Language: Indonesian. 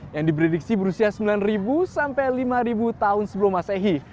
yang diprediksi berusia sembilan sampai lima tahun sebelum masehi